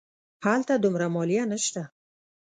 هلته دومره مالیه نه شته.